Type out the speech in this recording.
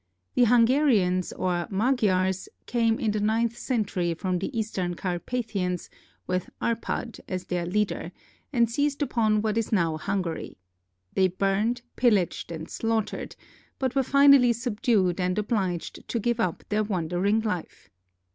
The Hungarians, or Magyars, came in the ninth century from the Eastern Carpathians with Arpad as their leader, and seized upon what is now Hungary. They burned, pillaged, and slaughtered, but were finally subdued and obliged to give up their wandering life.